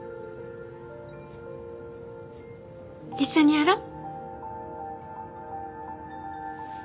一緒にやろう！